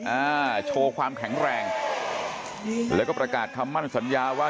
อ่าโชว์ความแข็งแรงอืมแล้วก็ประกาศคำมั่นสัญญาว่า